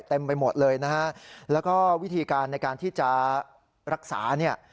ไปหมดเลยนะฮะแล้วก็วิธีการในการที่จะรักษาเนี่ย